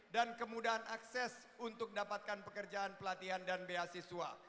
dan kemudahan akses untuk dapatkan pekerjaan pelatihan dan beasiswa